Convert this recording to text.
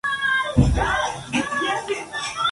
No está nada clara esta historia.